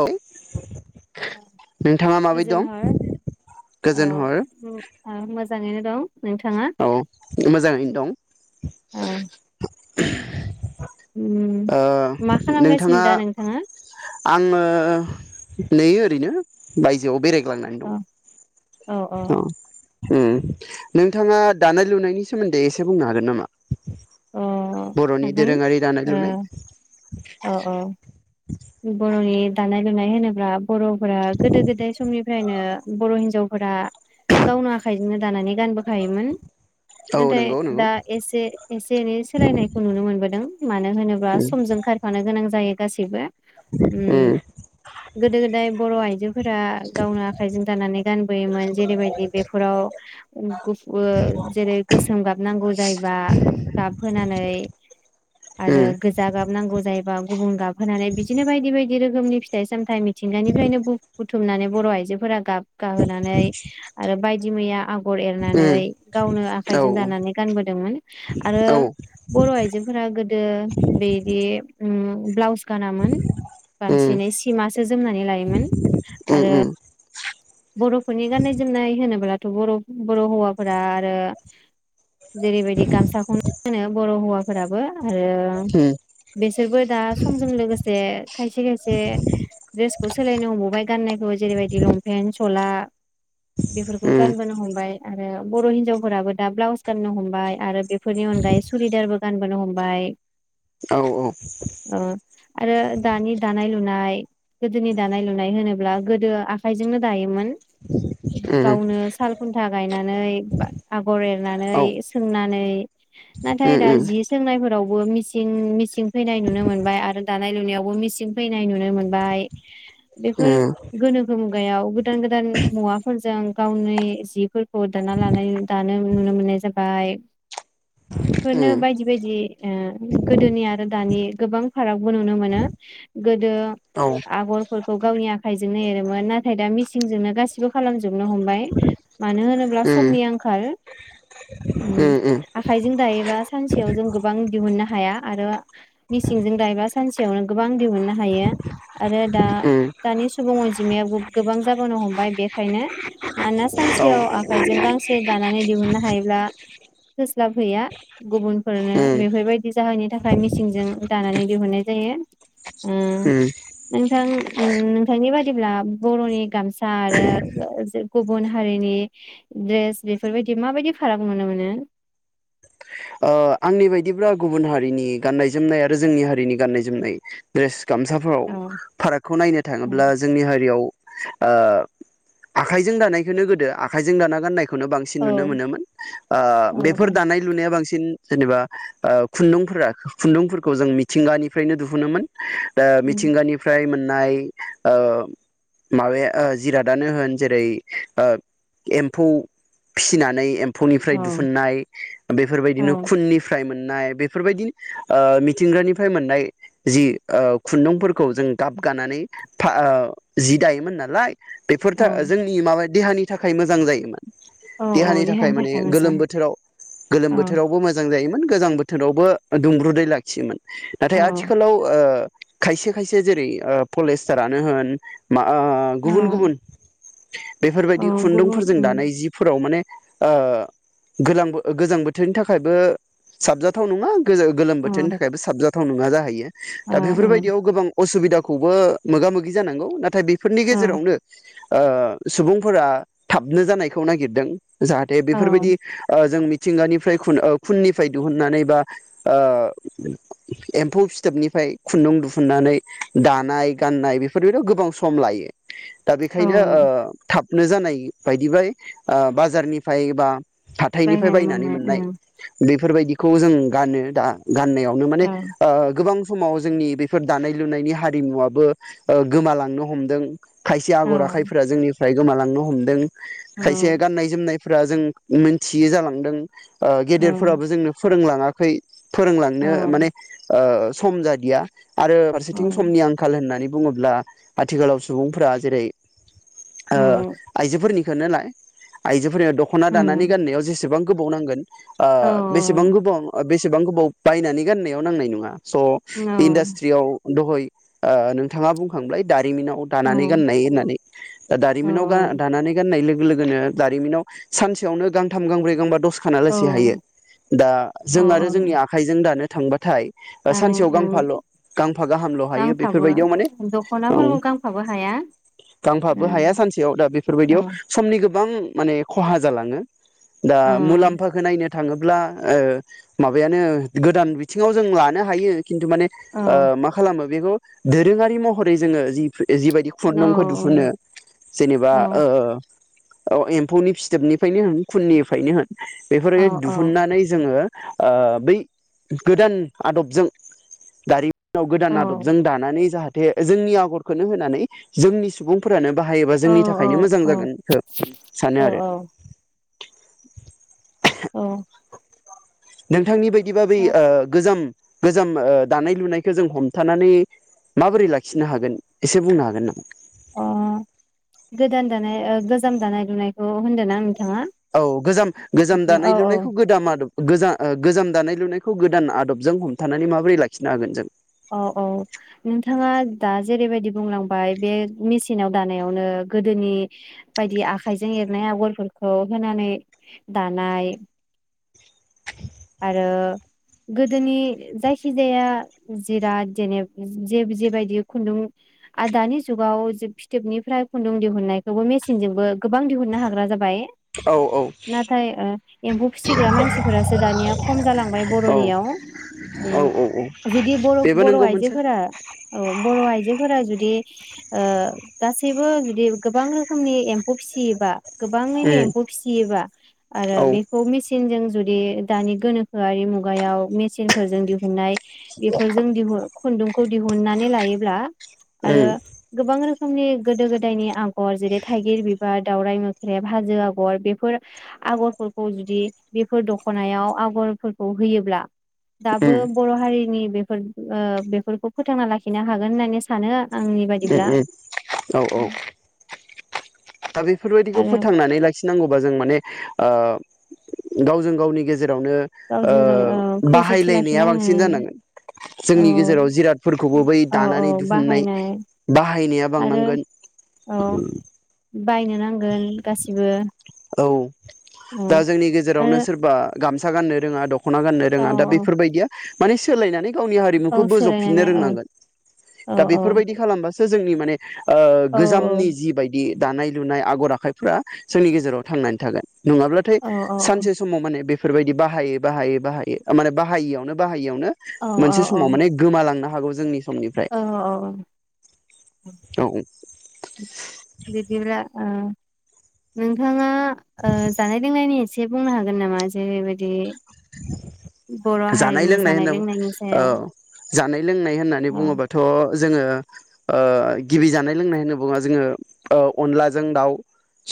औ। नोंथाङा माबायदि गोजोन दं हर औ गोजोन हर मोजां। मोजाङैनो दं। नोंथाङा औ मोजाङैनो दं। औ उम [inaudible] ओ मा खालामगासिनो नोंथाङा दा नोंथाङा आङो नैयो ओरैनो बायजोआव बेरायग ग्लांनानै औ दं औ औ अ उम नोंथाङा दानाय लुनायनि सोमोन्दै एसे बुंनो हागोन नामा? अ बर'नि हागोन दोरोङारि दानाय अ लुनाय अ बर'नि दानाय लुनाय होनोब्ला बर'फोरा गोदो गोदाय समनिफ्रायनो बर' हिनजावफोरा गावनो आखाइजोंनो दानानै दानबोखायोमोन औ नाथाय नंगौ नंगौ दा एसे जेरै सोलायनायखौ नुनो मोन दों मानो होनोब्ला समजों खारफानो गोनां जायो गासिबो उम गोदो गोदाय बर' आइजो फोरा गावनो आखाइजों दानानै गानबोयोमोन जेरैबायदि बेफोराव जेरै गोसोम गाबनांगौ जायोबा गाबहोनै आरो उम गोजा गाब नांगौ जायोबा गुबुन गाबहोनानै बिदिनो बायदि बायदि रोखोमनि फिथाइ सामथाइ मिथिंगानिफ्रायनो बुथुमनानै बर' आइजोफोरा गाबगाहोनानै आरो बायदि मैया आ गर एरनानै उम गावनो औ आखाइजों दानानै गानबोदोंमोन आरो औ बर' आइजोफोरा गोदो बिदि उम ब्लावस गानामोन उम बांसिनै सिमासो जोमनानै लायोमोन आरो। उम उम बर'फोरनि गाननाय जोमनाय होनोब्लाथ' बर' बर' हौवाफोरा आरो जेरैबायदि गामसाखौनो गानो बर' हौवाफोराबो आरो उम बे बिसोरबो दा समजों लोगोसे खायसे खायसे द्रेसखौ सोलायनो हमबावबाय गाननायखौ जेरैबायदि लंपेन्ट सला बेफोरखौ उम गानबोनो हमबाय आरो बर' हिनजावफोराबो दा ब्लाउस गाननो हमबाय आरो। बेफोरनि अनगायै सुरिदारबो गानबोनो हमबाय औ अ आरो दानि दानाय लुनाय गोदोनि दानाय लुनाय होनोब्ला गोदो आखाइजोंनो दायोमोन। उम गावनो साल खुन्था गायनानै आगर एरनानै औ सोंनानै नाथाय उम उम दा जि सोंनायफोर फोरावबो मिं मिसिं फैनाय नुनो मोनबाय आरो दानाय लुनायावबो मिसिं फैनाय नुनो मोनबाय बेफोर उम गोनोखो मुगायाव गोदान गोदान मुवाफोरजों गावनि जिफोरखौ दाना लानाय दानो नुनो मोननाय जाबाय ‌। फोरनो बायदि बायदि ओ गोदोनि आरो दानि गोबां फारागबो नुनो मोनो गोदो औ आगरफोरखौ गावनि आखाइजोंनो एरोमोन नाथाय दा मिसिंजोंनो गासिबो खालामजोबनो हमबाय मानो होनोब्ला समनि उम आंखाल उम आखाइजों दायोबा सानसेयाव जों गोबां दिहुननो हाया आरो मिसिंजों दायोबा सानसेयावनो गोबां दिहुुननो हायो आरो दा उम दानि सुबुं अनजिमाया गोबां जाबोनो हमबाय बेखायनो मानोना औ सानसेयाव आखाइजों गांसे दानानै दिहुननो हायोब्ला थोस्लाबहैया गुबुनफोरनो उम बेफोरबायदि जाहोननि थाखाय मेसिंजों दानानै दिहुननाय जायो उम उम नोंथां नोंथांनि बादिब्ला बर'नि गामसा आरो गुबुन हारिनि दड्रेस बेफोरबायदि माबायदि फाराग नुनो मोनो? ओ आंनि बायदिब्ला गुबुन हारिनि गाननाय जोमनाय आरो जोंनि हारिनि गाननाय जोमनाय ड्रेस गामसाफोराव औ फारागखौ नायनो थाङोब्ला जोंनि हारियाव ओ आखाइजों दानायखौनो गोदो आखाइजों दाना गाननायखौ खौनोबांसिन औ नुनो मोनोन ओ औ बेफोर दानाय लुनाया बांसिन सिन जेनेबा ओ खुन्दुंफोरा खुन्दुंफोरखौ जों मिथिंगानिफ्रायनो दिुहुनोमोन ओ मिथिंगानिफ्राय मोन नाय ओ माबाया ओ जिरादानो होन जेरै एम्फौ फिनानै एम फौनिफ्राय औ दिुहुननाय बेफोरबायदिनो औ निफ्राय मोननाय बेफोरबायदि ओ मिथिंगानिफ्राय मोननाय जि ओ खुन्दुंफोरखौ जों गाबगानानै ओ जि दायोमोन नालाय बेफोरथ जोंनि माबा देहानि थाखाय मोजां जायोमोन औ औ देहानि देहानि थाखाय माने मोजां गोलोम बोथोराव गोलोम औ बोथोरावबो मोजां जायोमोन गोजां बोथोरावबो दुंब्रुदै लाखियोमोन नाथाय औ आथिखालाव ओ खायसे खायसे जेरै ओ पलेस्टारानो होन मा ओ औ गुबुन गुबुन औ बेफोरबायदि गुबुन खुन्दुंफोरजों उम दानाय जिफोराव माने ओ गोलां गोजां बोथोरनि थाखाय बो साबजाथाव नङा गोलोम अ बोथोरनि थाखायबो साबजा गोथाव नङा जाहैयो अ दा बेफोरबायदियाव गोबां असुबिदा खौबो मोगा मोगि जानांगौ नाथाय बे फोरनि औ गेजेरावनो ओ सुबुंफोरा थाबनो जानायखौ नागिरदों जाहाथे औ बेफोरबायदि जों मिथिंगानिफ्राय खुन औ खुननिफ्राय दिहुननानै बा एम्फौ फिथोबनिफ्राय खुन्दुं दिुहुननानै दानाय गाननाय बेफोरबायदियाव गोबां सम लायो दा बेखायनो ओ औ थाब नो जानाय बायदि बाय बाजारनिफ्राय बा हाथायनिफ्राय बायनानै मोननाय बेफोरबायदिखौ जों गानो दा गाननायावनो माने औ ओ गोबां समाव जोंनि बेफोर दानाय लुनायनि हारिमुवाबो गोमालांनो हमदों खायसे आगर आखाइफोरा जोंनि फ्राय गोमालांनो हमदों। औ खायसे गाननायजोमनाय फ्रा जों मिथियै जालांदों ओ औ गेदेरफोराबो जोंनो फोरोंलां ङाखै फोरोंलांनो औ माने ओ सम जादिया आरो औ फारसेथिं समनि आंखाल होननानै बुङोब्ला आथिखालाव सुबुंफोरा जेरै ओ आइजोफोरनि नाय आइजो फोरनो दख'ना दानानानै उम गाननायाव जेसेबां गोबाव नांगोन ओ औ बेसेबां गोबाव बेसेबां गोबाव बायनानै गाननायाव नांनाय नङा। स औ औ इनदास्ट्रिआव दहै ओ नोंथाङा बुंखांबाय दा मिनाव औ दानानै गाननाय होन्नानै दा औ दारिमिनाव गाननाय होननाय लोगो लोगोनो दारिमिनाव सानसेयावनो गांथाम गांब्रै गांबा दस खाना औ दा औ जों आरो जोंनि आखाइजों दानो थांबाथाय। जानो सानसेयाव गांफाल' गांफा गाहामल' हायो गांफाबो बेफोरबायदियाव माने ओ दख'नाफोरखौ गांफाबो हाया औ गांफाबो हाया सानसेयाव दा औ बेफोरबायदियाव समनि गो गोबां माने खहा जालाङो दा औ मुलाम्फा नायनो थाङोब्ला ओ माबायानो गोदान बिथिङाव जों लानो हायो खिन्थु माने औ ओ मा खालामो बेखौ दोरोङारि महरै जोङो जि जिबायदि औ खुन्दुंखौ दिुहुनो जेनेबा औ ओ औ एम्फौनि फिथोबनिफ्रायनो होन खुननिफ्रायनो होन बेफोर औ दिहुननानै जोङो ओ बै गोदान आदबजों दारिम नाव गोदान आदबजों दानानै जाहा बे जोंनि आगरखौनो होनानै जोंनि सुबुंफोरानो बाहायोबा जोंनि थाखायनो औ मोजां जागोनखो सानो आरो। [inaudible] औ नोंथांनि बायदि बै गोजाम गोजाम ओ दानाय लुनायखौ जों हमथानानै माबोरै लाखिनो हागोन एसे बुंनो हागोन नामा? अ गोदान दानाय गोजाम दानाय लुनायखौ होनदों ना नों औ गोजाम गोजाम दानाय औ लुनायखौ गोदाम आदब गोजा गोजाम दानाय लुनायखौ गोदान आदबजों हमथानानै माबोरै लाखिनो हागोन जों औ औ नोंथाङा दा जेरैबायदि बुंलांबाय बे मेसिनाव दानायावनो गोदोनि बायदि आखाइजों एरनाय आगरफोरखौ होनानै दानाय आरो गोदोनि जायखि जाया जिराद जेने जे जेबायदि खुन्दुं दानि जुगाव फिथोबनिफ्राय खुन्दुं दिहुननायखौबो मेसिनजोंबो गोबां दिहुननो हाग्रा जाबाय औ औ नाथाय ओ एम्फौ फिसिग्रा मानसिफोरा दानिया खम जालांबाय औ बर'नियाव औ ओम औ औ जुदि बर बेबो बर' नंगौ मोनसे आइजोफोरा औ बर' आइजोफोरा जुदि ओ गा गासैबो जुदि गोबां रोखोमनि एम्फौ फिसियोबा गोबाङैनो उम एम्फौ फिसियोबा आरो औ बेखौ मि कि जों जुदि दानि गोनोखोआरि मुगायाव मेचिनफोर दिहुननाय बेफोरजों दिहु खुन्दुंखौ दिहुननानै लायोब्ला आरो उम गोबां रोखोम समनि गोदो गोदायनि आग अ जेरै थाइगिर बिबार दावराय मोख्रेब हाजो आगर बेफोर आगरफोरखौ जुदि बेफोर दख दख'नायाव आगरफोरखौ होयोब्ला दाबो उम बर' हारिनि बे बे ओ बेफोरखौ फोथांना लाखिनो हागोन होननानै सानो। आंनि उम बायदिब्ला उम औ औ दा बेफोरबायदिखौ आरो फोथांनानै लाखिनो नांगौबा जों माने ओ गावजों गावनि गेजेर रावनो गावजों गाव ओ खौसेथि बाहायलायनाया लाखिनो बांसिन जानांगोन औ जोंनि गेजेराव जिरादफोरखौबो बै औ दानानै औ दिुहुननाय बाहायनाय बाहायनाया आरो बांनांगोन। औ बायनो नांगोन गासिबो औ औ दा जोंनि गेजेरावनो आरो सोरबा गामसा गाननो रोङा द ख'ना गाननो औ रोङा दा बेफोरबायदिया माने सोलायनानै गावनि हारिमुखौ औ बोजबफिननो सोलायनानै औ रोंनांगोन औ दा बेफोरबायदि खालामबा सो जोंनि माने ओ औ गोजामनि जिबायदि दानाय लुनाय आगर आखाइफ्रा जोंनि गे जेराव थांनानै थागोन नङाब्लाथाय औ औ सानसे समाव माने बे फोरबायदि बाहायै बाहायै बाहाय माने बाहायियावनो बाहायियाव नो औ मोनसे औ औ समाव माने गोमा लांनो हागौ जोंनि समनिफ्राय औ औ औ बिदिब्ला ओ नोंथाङा ओ जानाय लोंनायनि एसे बुंनो हागोन नामा जेरैबायदि बर' जानाय हारिनि लोंनाय होनना लोंनायनि ओ सायाव जानाय लोंनाय होननानै बुङोबाथ' जोङो ओ गिबि जानाय लोंनाय होनना बुङो जोङो अनलाजों दाउ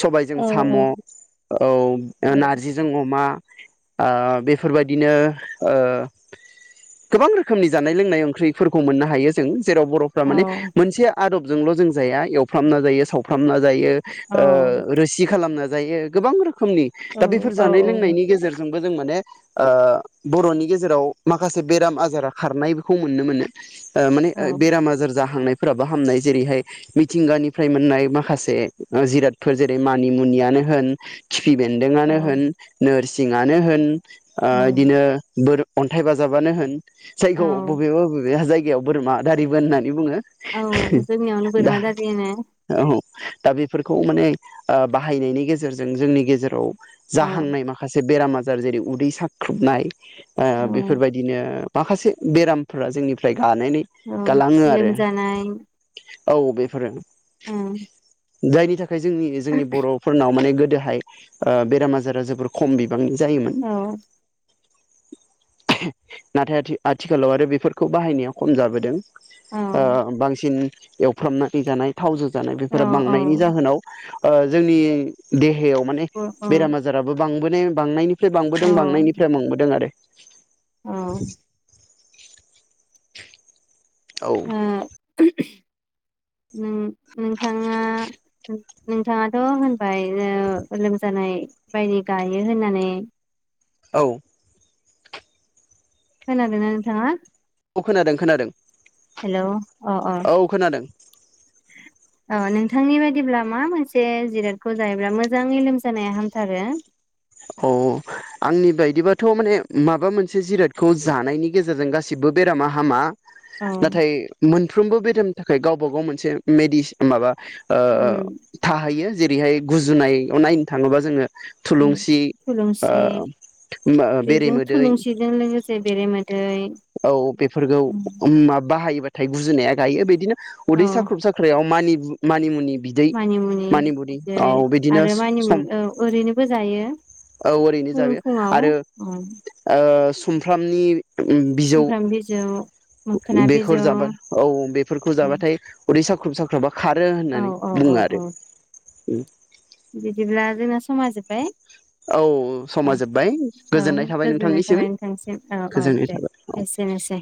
सबायजों साम औ औ नारजिजों अमा ओ बेफोरबायदिनो ओ गोबां रोखोमनि जानाय लोंनाय ओंख्रिफोरखौ मोननो हायो जों जेराव बर'फ्रा औ माने मोनसे आदब जोंल जों जाया एवफ्रामना जायो सावफ्रामना जायो औ ओ रोसि खालामना जायो गोबां रो खोमनि दा बेफोर औ जानाय लोंनायनि गेजेरजों बो जों माने ओ बर'नि गेजेराव माखासे बेराम आजारा खारनायखौबो नुनो मोनो माने औ बेराम आजार जाहांनाय फोराबो हामनाय जेरैहाय मिथिंगानिफ्राय मोननाय माखासे जिरादफोर जेरै मानि मुनियानो होन खिफि औ बेन्दोंआनो होन नोर सिङानो होन ओ इदिनो बोर अन्थाइ बाजाबानो होन जायखौ औ बबेबा बबेबा जाय गायाव बोरमा आदारिबो होननानै बुङो औ जोंनियावनो दा बोरमा दारि होनो औ दा बेफोरखौ माने बाहायनायनि गेजेरजों जोंनि गेजेराव औ जाहांनाय माखासे बेराम आजार जेरै उदै साख्रुबनाय औ बेफोरबायदिनो माखासे बेरामफोरा जोंनिफ्राय गानानै औ गालाङो आरो लोमजानाय औ बेफोर उम जायनि थाखाय बे जोंनि जोंनि बर'फोरनाव माने गोद दोहाय बेराम आजारा जोबोर खम बिबांनि जायोमोन औ औ नाथाय आथिखालाव आरो बेफोरखौ बाहायनाया खम जाबोदों औ बांसिन एवफ्रामनानै जानाय थावजों जानाय औ बेफोर बांनायनि औ जाहोनाव ओ जोंनि देहायाव माने बेराम आजाराबो बां बांनायनिफ्राय औ बांबोदों बांनायनिफ्राय मोनबोदों आरो औ [inaudible] औ अ नों नोंथाङा नोंथाङाथ' बायनो लोमजानाय बायदि गायो होननानै औ खोनादों ना नोंथाङा औ खोनादों खोनादों हेलौ औ खोनादों अ नोंथांनि बायदिब्ला मा मोनसे जिरादखौ जायोब्ला मोजाङै लोमजानाया हामथारो अ आंनि बायदिबाथ' माने माबा मोनसे जिरादखौ जानायनि गेजेरजों गासिबो बेरामा हामा औ नाथाय मोन साफ्रोमबो बेरामनि थाखाय गावबा गाव मोनसे मेडस माबा ओ उम थाहैयो जेरैहाय गुजुनायाव नायनो थाङोबा जोङो उम। थुलुंसि थुलुंसि ओ बेजों बेरेमोदै थुलुंसिजों लोगोसे बेरे मोदै औ बेफोरखौ मा बाहायोबाय फाथाय गुजुनाया गायो बिदिनो औ उदै साख्रुब साख्रायाव मानि मानिमुनि बिदै मानिमुनि मानिमुनि बिदै औ बिदिनो आरो मानिमुनि सम औ ओरैनोबो जायो औ ओरैनो फुं जाबाय फुङाव आरो औ। ओ सुमफ्रामनि बिजौ सुमफ्राम बिजौ मोखोना बेफोर बिजौ जाबा औ बेफोरखौ औ जाबाथाय उदै सा साख्रुब साख्राबा खारो औ होननानै बुङो औ आरो। औ उम बिदिब्ला जोंना समा जोब्बाय। औ समा जोब्बाय औ गोजोननाय थाबाय गोजोननाय नोंथांनिसिम थाबाय नोंथांसिम औ औ गोजोननाय दे थाबाय औ। एसेनोसै